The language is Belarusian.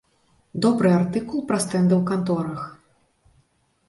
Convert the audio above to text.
Добры артыкул пра стэнды ў канторах.